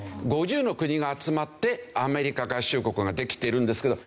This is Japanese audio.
５０の国が集まってアメリカ合衆国ができているんですけど。